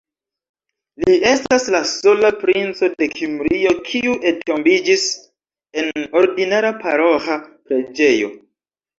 Li estas la sola princo de Kimrio kiu entombiĝis en ordinara paroĥa preĝejo.